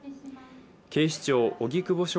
警視庁荻窪署